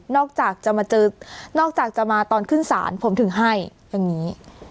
จากจะมาเจอนอกจากจะมาตอนขึ้นศาลผมถึงให้อย่างนี้